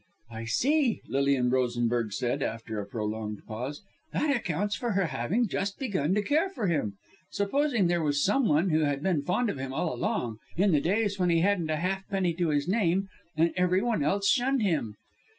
"I see!" Lilian Rosenberg said after a prolonged pause, "that accounts for her having just begun to care for him. Supposing there was some one who had been fond of him all along in the days when he hadn't a halfpenny to his name, and every one else shunned him!"